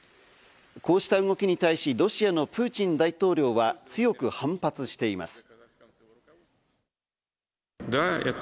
こうした動きに対し、ロシアのプーチン大統領は強く反発しています。